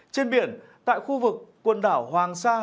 trên biển tại khu vực quần đảo hoàng sa